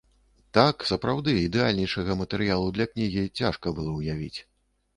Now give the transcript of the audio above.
Так, сапраўды, ідэальнейшага матэрыялу для кнігі цяжка было ўявіць.